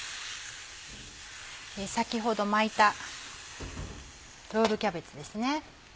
先ほど巻いたロールキャベツですね。